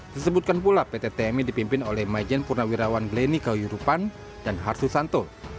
disebutkan pula pt tmi dipimpin oleh majen purnawirawan bleni kauyurupan dan harsusanto